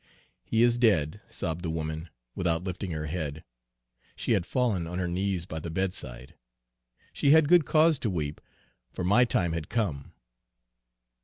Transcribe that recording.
"'He is dead,' sobbed the woman, without lifting her head, she had fallen on her knees by the bedside. She had good cause to weep, for my time had come.